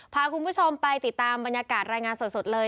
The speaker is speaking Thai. พาคุณผู้ชมไปติดตามบรรยากาศรายงานสดเลย